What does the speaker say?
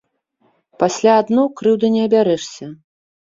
Пасля адно крыўды не абярэшся.